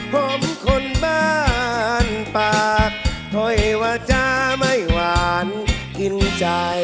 ผมคนบ้านปากถอยวาจาไม่หวานกินใจ